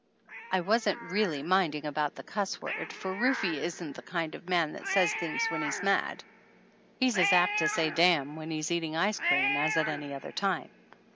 I wasn't really minding about the cuss word, for Rufe isn't the kind of a man that says things when he's mad. He's as apt to say 'damn' when he's eating ice cream as at any other time.